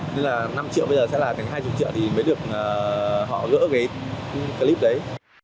nên là năm triệu bây giờ sẽ là hai mươi triệu thì mới được họ gỡ cái clip đấy